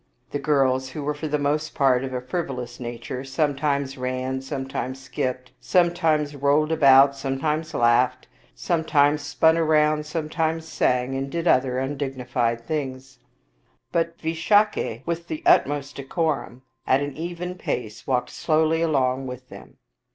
The girls, who were for the most part of a frivolous nature, sometimes ran, sometimes skipped, some times rolled about, sometimes laughed, sometimes spun round, sometimes sang, and did other undignified things. But Visakha, with the utmost decorum, at an even pace walked slowly along with them.